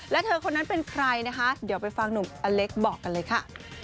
และเธอคนนั้นเป็นใครนะคะเดี๋ยวไปฟังหนุ่มอเล็กบอกกันเลยค่ะ